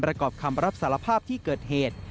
ประกอบคำรับสารภาพที่เกิดเหตุ